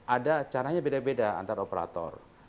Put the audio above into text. ada caranya beda beda antara operator